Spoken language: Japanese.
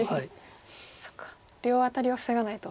そっか両アタリは防がないと。